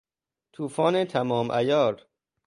توفان تمام عیار